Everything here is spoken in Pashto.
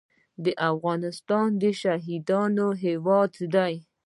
افغانستان د شهیدانو هیواد دی